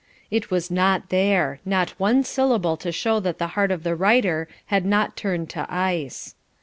It was not there, not one syllable to show that the heart of the writer had not turned to ice.